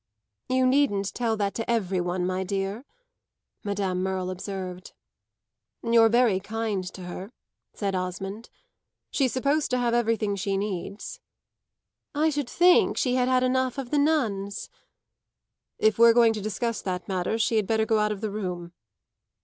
"You needn't tell that to every one, my dear," Madame Merle observed. "You're very kind to her," said Osmond. "She's supposed to have everything she needs." "I should think she had had enough of the nuns." "If we're going to discuss that matter she had better go out of the room."